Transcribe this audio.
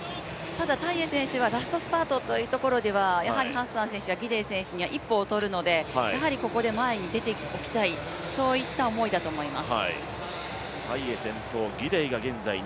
ただタイエ選手はラストスパートというところではギデイ選手やハッサン選手に一歩劣るので、ここに前に出ておきたいという思いだと思います。